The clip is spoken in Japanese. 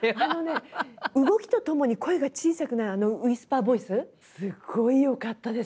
動きとともに声が小さくなるあのウイスパーボイスすごいよかったです。